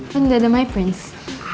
kan nggak ada my prince